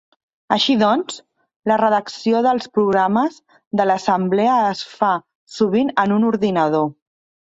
Així doncs, la redacció dels programes de l'Assemblea es fa sovint en un ordinador.